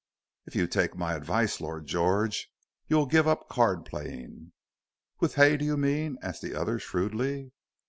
"If you take my advice, Lord George, you'll give up card playing." "With Hay, do you mean?" asked the other, shrewdly.